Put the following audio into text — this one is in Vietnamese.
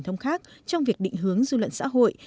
trong việc định hướng du lận xã hội